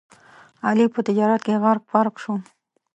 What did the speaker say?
علي په تجارت کې غرق پرق شو.